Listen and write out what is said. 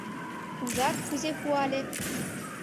Ужат, кузе пуале!»